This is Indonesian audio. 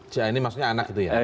si a ini maksudnya anak gitu ya